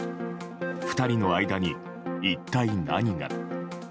２人の間に一体何が。